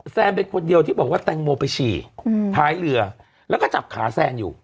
แซนเป็นคนเดียวที่บอกว่าแตงโมไปฉี่ท้ายเรือแล้วก็จับขาแซนอยู่